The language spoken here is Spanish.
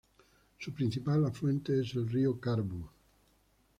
Su principal afluente es el río Carbo.